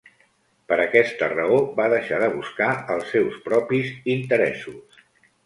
Per aquesta raó va deixar de buscar els seus propis interessos.